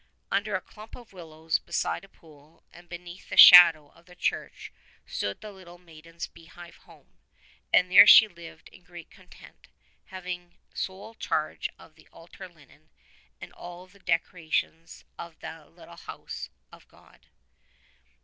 Under a clump of willows beside a pool, and beneath the shadow of the church stood the little maiden's beehive home, and there she lived in great content, having sole charge of the altar linen and of all the decorations of that little house of God.